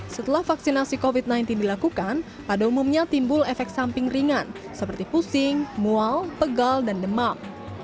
setelah vaksinasi covid sembilan belas dilakukan pada umumnya timbul efek samping ringan seperti pusing mual pegal dan demam